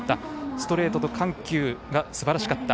ストレートと緩急がすばらしかった。